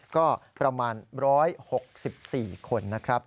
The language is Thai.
ก็ประมาณ๑๖๔คนนะครับ